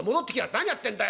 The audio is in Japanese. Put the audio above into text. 何やってんだよ